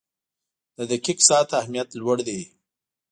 • د دقیق ساعت اهمیت لوړ دی.